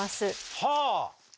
はあ！